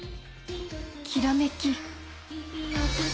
きらめき。